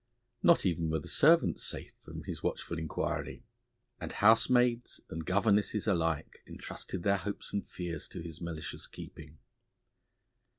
Not even were the servants safe from his watchful inquiry, and housemaids and governesses alike entrusted their hopes and fears to his malicious keeping.